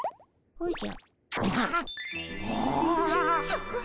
おじゃ。